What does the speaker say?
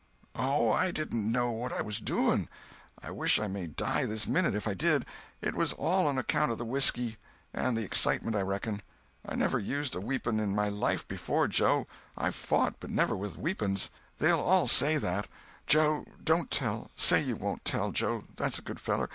"Oh, I didn't know what I was a doing. I wish I may die this minute if I did. It was all on account of the whiskey and the excitement, I reckon. I never used a weepon in my life before, Joe. I've fought, but never with weepons. They'll all say that. Joe, don't tell! Say you won't tell, Joe—that's a good feller.